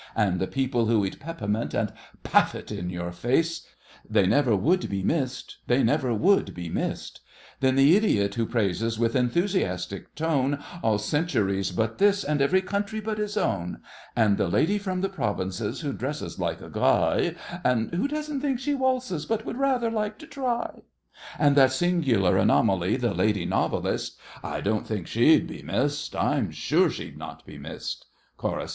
And the people who eat peppermint and puff it in your face, They never would be missed—they never would be missed! Then the idiot who praises, with enthusiastic tone, All centuries but this, and every country but his own; And the lady from the provinces, who dresses like a guy, And who "doesn't think she waltzes, but would rather like to try"; And that singular anomaly, the lady novelist— I don't think she'd be missed—I'm sure she'd not he missed! CHORUS.